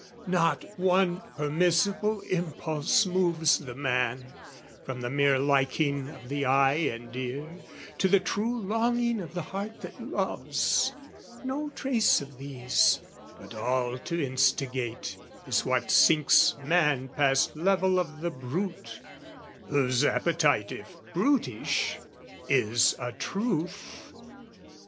Not one permissible impulse moves the man, From the mere liking of the eye and ear, To the true longing of the heart that loves, No trace of these: but all to instigate, Is what sinks man past level of the brute, Whose appetite if brutish is a truth.